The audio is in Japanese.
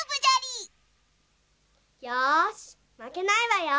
よしまけないわよ。